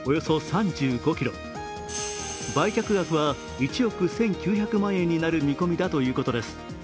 売却額は１億１９００万円になる見込みだということです。